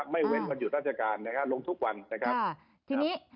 ไม่เว้นวันอยู่ราชการลงทุกวัน